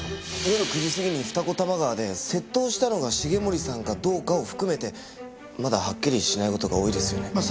夜９時過ぎに二子玉川で窃盗をしたのが重森さんかどうかを含めてまだはっきりしない事が多いですよね。